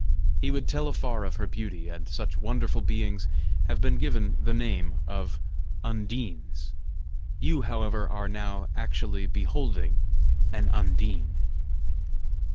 He would tell afar of her beauty, and such wonderful beings have been given the name of Undines. You, however, are now actually beholding an Undine."